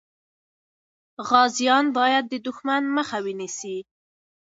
غازیان باید د دښمن مخه ونیسي.